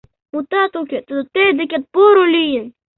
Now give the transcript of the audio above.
— Мутат уке, тудо тый декет поро лийын!